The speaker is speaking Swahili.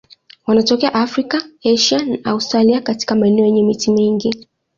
Wanatokea Afrika, Asia na Australia katika maeneo yenye miti mingi.